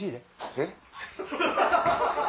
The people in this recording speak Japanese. えっ？